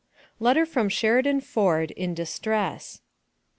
LETTER FROM SHERIDAN FORD, IN DISTRESS.